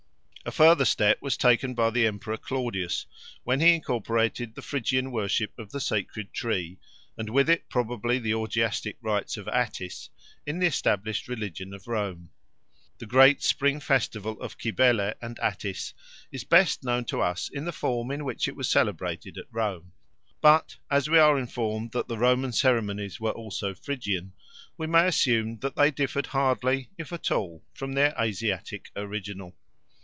A further step was taken by the Emperor Claudius when he incorporated the Phrygian worship of the sacred tree, and with it probably the orgiastic rites of Attis, in the established religion of Rome. The great spring festival of Cybele and Attis is best known to us in the form in which it was celebrated at Rome; but as we are informed that the Roman ceremonies were also Phrygian, we may assume that they differed hardly, if at all, from their Asiatic original.